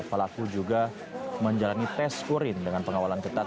pelaku juga menjalani tes urin dengan pengawalan ketat